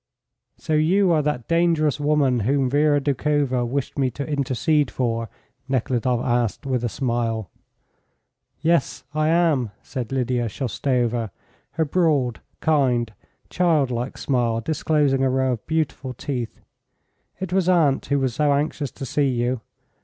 "So you are that dangerous woman whom Vera Doukhova wished me to intercede for?" Nekhludoff asked, with a smile. "Yes, I am," said Lydia Shoustova, her broad, kind, child like smile disclosing a row of beautiful teeth. "It was aunt who was so anxious to see you.